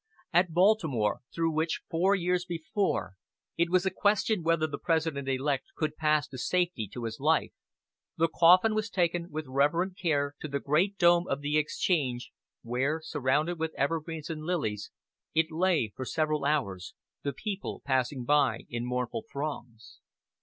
At Baltimore, through which, four years before, it was a question whether the President elect could pass with safety to his life, the coffin was taken with reverent care to the great dome of the Exchange, where, surrounded with evergreens and lilies, it lay for several hours, the people passing by in mournful throngs.